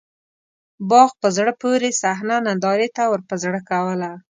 باغ په زړه پورې صحنه نندارې ته ورپه زړه کوله.